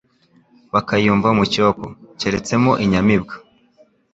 Bakayumva mu cyoko, Cyareretsemo inyamibwa,